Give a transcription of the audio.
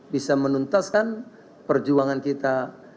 bisa menuntaskan perjuangan kita